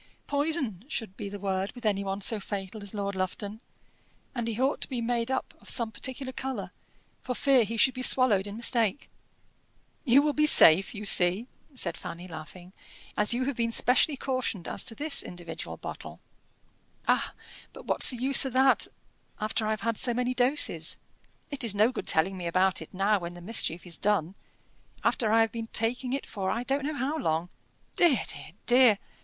"'Poison' should be the word with any one so fatal as Lord Lufton; and he ought to be made up of some particular colour, for fear he should be swallowed in mistake." "You will be safe, you see," said Fanny, laughing, "as you have been specially cautioned as to this individual bottle." "Ah! but what's the use of that after I have had so many doses? It is no good telling me about it now, when the mischief is done, after I have been taking it for I don't know how long. Dear! dear! dear!